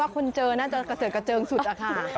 คนเจอน่าจะเกษตรกระเจิงสุดอะค่ะ